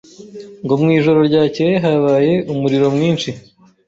Ngo mu ijoro ryakeye habaye umuriro mwinshi.